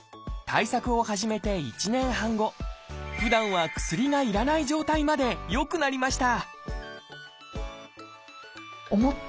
対策を始めて１年半後ふだんは薬がいらない状態まで良くなりました